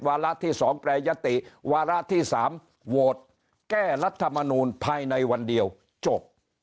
วาระที่สองแปรยติวาระที่สามแก้รัฐมนูญภายในวันเดียวจบ